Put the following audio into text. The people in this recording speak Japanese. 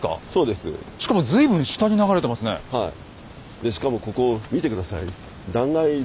でしかもここ見て下さい。